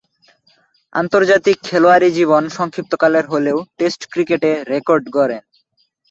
আন্তর্জাতিক খেলোয়াড়ী জীবন সংক্ষিপ্তকালের হলেও টেস্ট ক্রিকেটে রেকর্ড গড়েন।